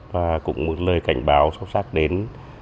và cũng một lời cảnh báo sốc sát đến